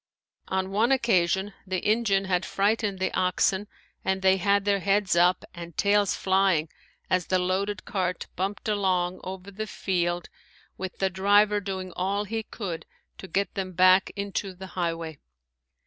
On one occasion the engine had frightened the oxen and they had their heads up and tails flying as the loaded cart bumped along over the field with the driver doing all he could to get them back into the highway.